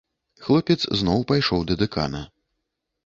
Хлопец зноў пайшоў да дэкана.